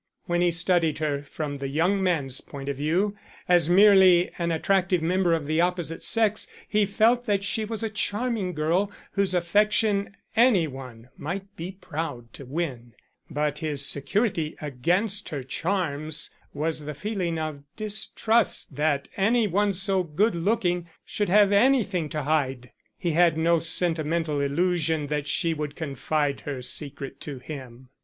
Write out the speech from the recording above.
When he studied her from the young man's point of view as merely an attractive member of the opposite sex he felt that she was a charming girl whose affection any one might be proud to win, but his security against her charms was the feeling of distrust that any one so good looking should have anything to hide. He had no sentimental illusion that she would confide her secret to him.